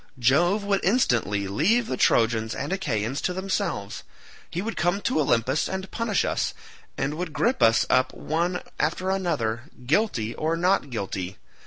Jove would instantly leave the Trojans and Achaeans to themselves; he would come to Olympus to punish us, and would grip us up one after another, guilty or not guilty.